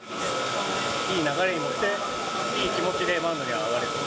いい流れに乗って、いい気持ちでマウンドに上がれそう？